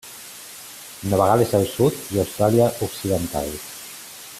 Nova Gal·les del Sud i Austràlia Occidental.